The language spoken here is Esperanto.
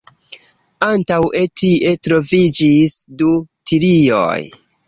Antaŭe tie troviĝis du tilioj.